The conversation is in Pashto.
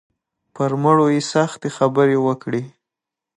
پر مړو یې سختې خبرې وکړې.